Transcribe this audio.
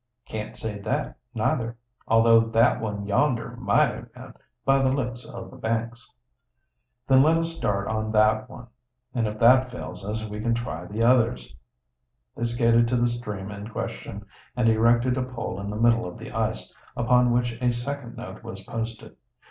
"Can't say that neither, although that one yonder might have been, by the looks o' the banks." "Then let us start on that one. And if that fails us, we can then try the others." They skated to the stream in question and erected a pole in the middle of the ice, upon which a second note was posted.